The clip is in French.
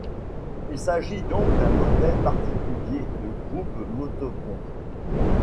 Il s'agit donc d'un modèle particulier de groupe motopompe.